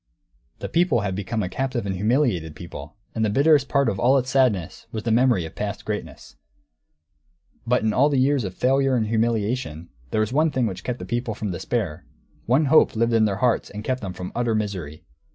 The people had become a captive and humiliated people; and the bitterest part of all its sadness was the memory of past greatness. But in all the years of failure and humiliation, there was one thing which kept this people from despair; one hope lived in their hearts and kept them from utter misery.